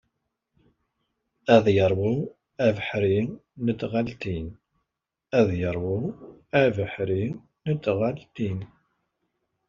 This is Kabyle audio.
Ur zmirent ad ak-slent.